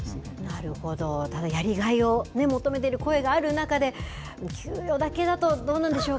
なるほど、ただやりがいを求めている声がある中で給与だけだとどうなんでしょう。